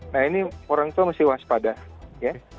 nah ini orangtua mesti waspada ya